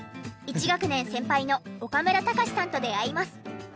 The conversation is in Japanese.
１学年先輩の岡村隆史さんと出会います。